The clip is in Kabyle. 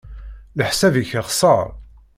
Leḥsab-ik yexṣer.